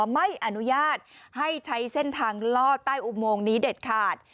ไม่อนุญาตให้ใช้เส้นทางลอดใต้อุโมงนี้เด็ดขาด